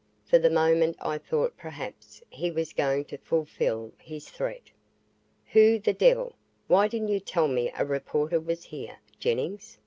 For the moment I thought perhaps he was going to fulfill his threat. "Who the devil why didn't you tell me a reporter was here, Jennings?"